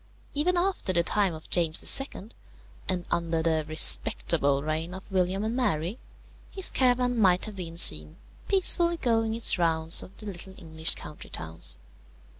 Even after the time of James II., and under the "respectable" reign of William and Mary, his caravan might have been seen peacefully going its rounds of the little English country towns.